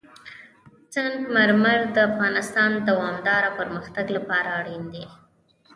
سنگ مرمر د افغانستان د دوامداره پرمختګ لپاره اړین دي.